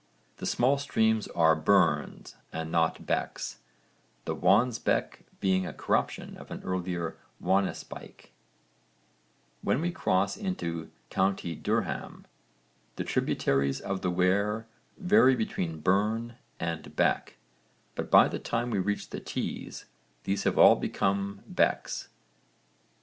The small streams are 'burns' and not 'becks,' the Wansbeck being a corruption of an earlier Wanespike. When we cross into co. Durham the tributaries of the Wear vary between 'burn' and 'beck,' but by the time we reach the Tees these have all become becks.